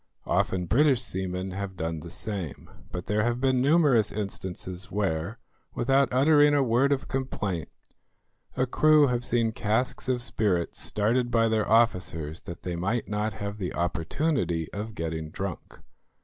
Often British seamen have done the same, but there have been numerous instances where, without uttering a word of complaint, a crew have seen casks of spirits started by their officers that they might not have the opportunity of getting drunk.